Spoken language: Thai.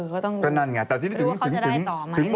เออก็ต้องดูว่าเขาจะได้ต่อไหมไม่ได้ต่อแล้ว